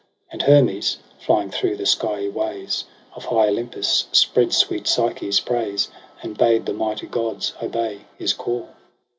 An4 Hermes, flying through the skiey ways Of high Olympus, spread sweet Psyche's praise. And bade the mighty gods obey his call.